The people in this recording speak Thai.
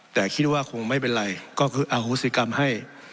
แต่คิดว่าคงไม่เป็นไรก็คืออโหสิกรรมให้